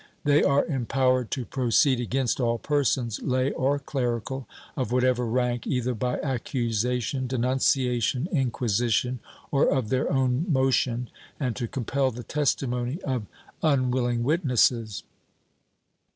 They are em powered to proceed against all persons, lay or clerical, of whatever rank, either by accusation, denunciation, inquisition, or of their own motion, and to compel the testimony of unwilling witnesses.